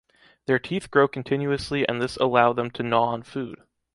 Their teeth grow continuously and this allow them to gnaw on food.